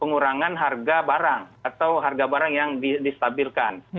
pengurangan harga barang atau harga barang yang distabilkan